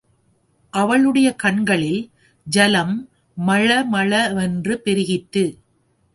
அவளுடைய கண்களில் ஜலம் மள மள வென்று பெருகிற்று.